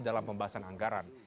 dalam pembahasan anggaran